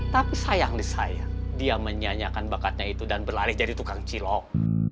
tapi sayang di saya dia menyanyiakan bakatnya itu dan berlari jadi tukang cilok